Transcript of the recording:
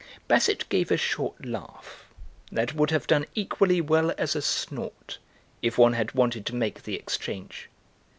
Basset gave a short laugh that would have done equally well as a snort, if one had wanted to make the exchange.